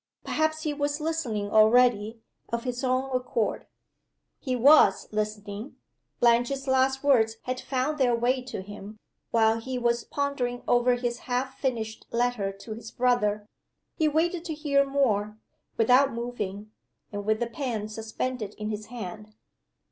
perhaps he was listening already, of his own accord? (He was listening. Blanche's last words had found their way to him, while he was pondering over his half finished letter to his brother. He waited to hear more without moving, and with the pen suspended in his hand.)